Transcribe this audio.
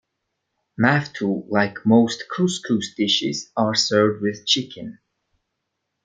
Maftool, like most couscous dishes, are served with chicken.